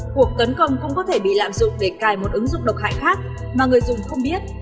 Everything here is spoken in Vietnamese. cuộc tấn công cũng có thể bị lạm dụng để cài một ứng dụng độc hại khác mà người dùng không biết